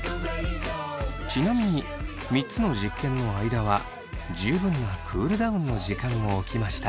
ちなみに３つの実験の間は十分なクールダウンの時間を置きました。